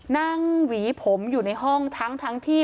หวีผมอยู่ในห้องทั้งที่